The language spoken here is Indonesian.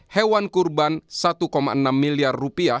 hewan kurban rp satu enam miliar